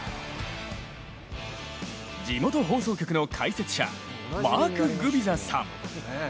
地元放送局の解説者、マーク・グビザさん。